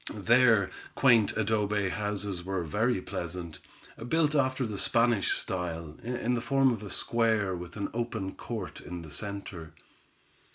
Their quaint adobe houses were very pleasant, built after the Spanish style, in the form of a square with an open court in the center.